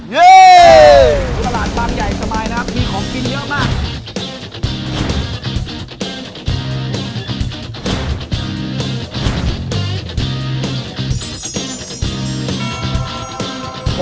นี่ตลาดบางใหญ่สบายนะครับมีของกินเยอะมาก